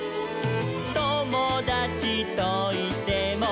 「ともだちといても」